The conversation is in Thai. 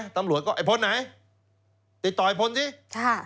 ตำรวจก็ไอ้พนธรรมไหนติดต่อไอ้พนธรรมสิ